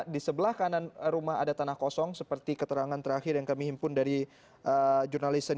di sebelah kanan rumah ada tanah kosong seperti keterangan terakhir yang kami himpun dari jurnalistik